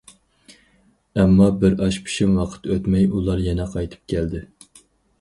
ئەمما بىر ئاش پىشىم ۋاقىت ئۆتمەي ئۇلار يەنە قايتىپ كەلدى.